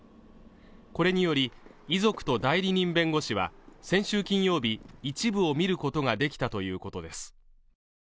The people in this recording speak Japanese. これにより遺族と代理人弁護士は先週金曜日一部を見ることができたということです